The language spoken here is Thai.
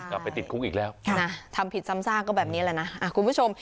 ไปติดคุกอีกแล้วทำผิดซ้ำซากก็แบบนี้แหละนะคุณผู้ชม